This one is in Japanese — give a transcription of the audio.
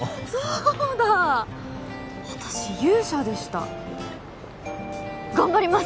私勇者でした頑張ります